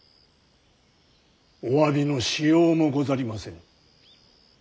お詫びのしようもござりませぬ。